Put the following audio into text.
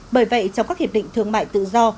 bởi vậy trong các hiệp định thương mại tự do